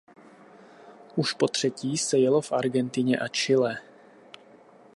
Už po třetí se jelo v Argentině a Chile.